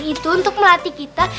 itu untuk melatih kita